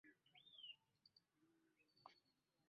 Kati olwo mbalimbe ki?